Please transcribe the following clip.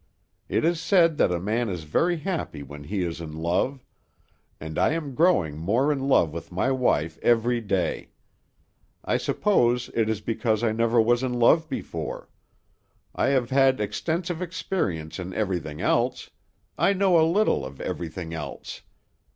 It is said that a man is very happy when he is in love, and I am growing more in love with my wife every day. I suppose it is because I never was in love before. I have had extensive experience in everything else; I know a little of everything else.